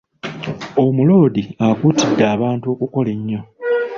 Omuloodi akuutidde abantu okukola ennyo.